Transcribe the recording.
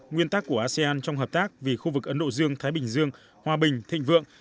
nguyên tắc của asean trong hợp tác vì khu vực ấn độ dương thái bình dương hòa bình thịnh vượng